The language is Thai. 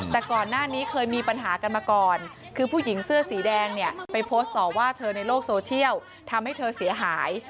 แต่ก่อนหน้านี้เคยมีปัญหากันมาก่อนคือผู้หญิงเสื้อสีแดงเนี่ยไปโพสต์ต่อว่าเธอในโลกโซเชียลทำให้เธอเสียหาย